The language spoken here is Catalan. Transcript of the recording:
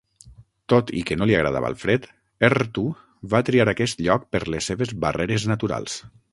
Tot i que no li agradava el fred, Errtu va triar aquest lloc per les seves barreres naturals.